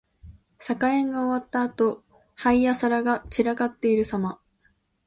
酒宴が終わったあと、杯や皿が散らかっているさま。